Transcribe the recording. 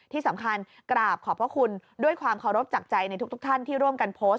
ที่สำคัญกราบขอบพระคุณด้วยความเคารพจากใจในทุกท่านที่ร่วมกันโพสต์